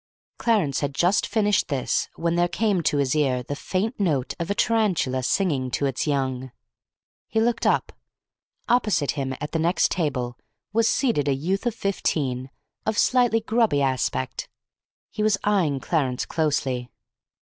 Clarence had just finished this when there came to his ear the faint note of a tarantula singing to its young. He looked up. Opposite him, at the next table, was seated a youth of fifteen, of a slightly grubby aspect. He was eyeing Clarence closely.